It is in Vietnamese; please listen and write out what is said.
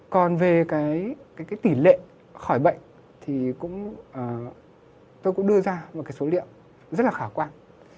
còn về cái tỷ lệ khỏi bệnh thì tôi cũng đưa ra một cái số liệu rất là khả quan